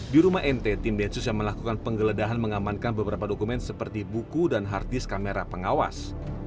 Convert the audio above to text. di rumah nt tim densus yang melakukan penggeledahan mengamankan beberapa dokumen seperti buku dan hard disk kamera pengawas